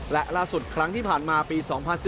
และล่าสุดครั้งที่ผ่านมาปี๒๐๑๙